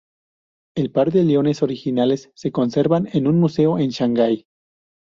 El par de leones originales se conservan en un museo en Shanghai.